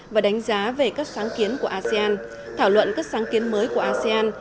và đánh giá về các sáng kiến của asean thảo luận các sáng kiến mới của asean